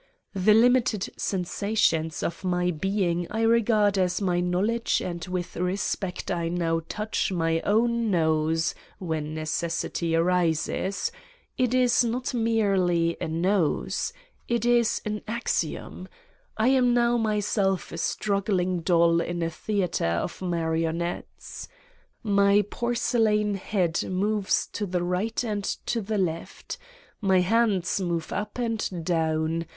The limited sen sation of my being I regard as my knowledge and 98 Satan's Diary with respect I now touch my own nose, when necessity arises : it is not merely a nose it is an axiom ! I am now myself a struggling doll in a theater of marionettes. My porcelain head moves to the right and to the left. My hands move up and down.